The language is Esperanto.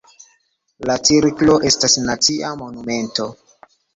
La cirklo estas nacia monumento.